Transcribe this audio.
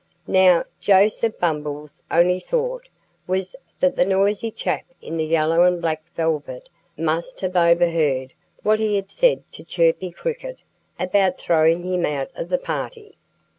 Now, Joseph Bumble's only thought was that the noisy chap in the yellow and black velvet must have overheard what he had said to Chirpy Cricket about throwing him out of the party.